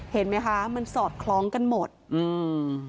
เห็นไหมคะมันสอดคล้องกันหมดอืม